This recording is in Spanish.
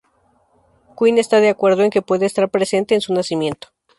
Quinn está de acuerdo en que puede estar presente en su nacimiento.